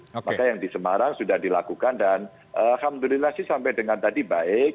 maka yang di semarang sudah dilakukan dan alhamdulillah sih sampai dengan tadi baik